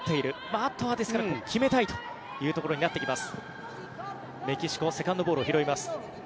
あとは決めたいというところになってきます。